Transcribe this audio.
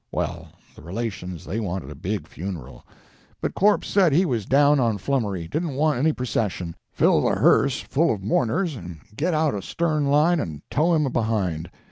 Well, the relations they wanted a big funeral, but corpse said he was down on flummery didn't want any procession fill the hearse full of mourners, and get out a stern line and tow him behind.